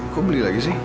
kok beli lagi sih